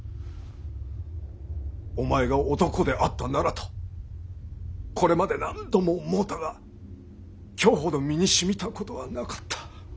お前が男であったならとこれまで何度も思うたが今日ほど身にしみたことはなかった。